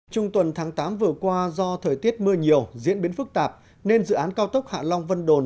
trung tuần tháng tám vừa qua do thời tiết mưa nhiều diễn biến phức tạp nên dự án cao tốc hạ long vân đồn